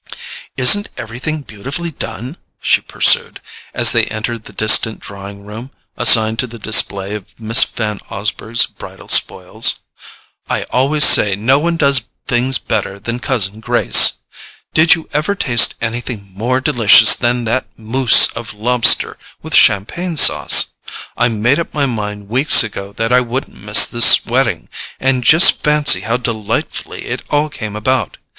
"Isn't everything beautifully done?" she pursued, as they entered the distant drawing room assigned to the display of Miss Van Osburgh's bridal spoils. "I always say no one does things better than cousin Grace! Did you ever taste anything more delicious than that MOUSSE of lobster with champagne sauce? I made up my mind weeks ago that I wouldn't miss this wedding, and just fancy how delightfully it all came about.